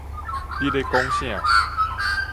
你咧講啥